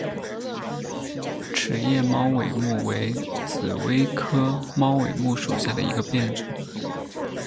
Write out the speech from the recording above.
齿叶猫尾木为紫葳科猫尾木属下的一个变种。